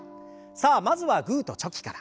さあまずはグーとチョキから。